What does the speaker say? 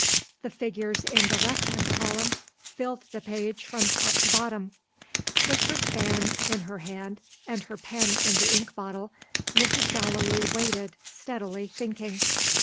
The figures in the left hand column filled the page from top to bottom. With her fan in her hand, and her pen in the ink bottle, Mrs. Gallilee waited, steadily thinking.